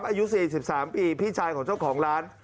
อายุ๔๓ปีพี่ชายของเจ้าของร้าน